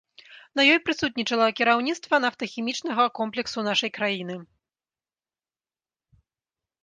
На ёй прысутнічала кіраўніцтва нафтахімічнага комплексу нашай краіны.